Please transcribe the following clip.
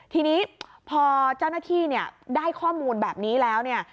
ทีนี้พอเจ้าหน้าที่เนี่ยได้ข้อมูลแบบนี้แล้วเนี่ย